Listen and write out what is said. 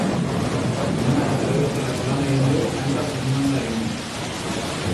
Zinema eta telebistarako lan egin du, hainbat soinu banda eginez.